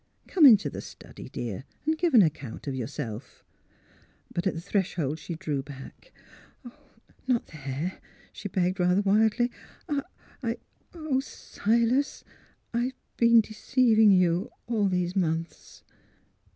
" Come into the study, dear, and give an account of yourself." But at the threshold she drew back. " Not there," she begged, rather wildly. '' I — oh, Silas, I've been deceiving you — all these months."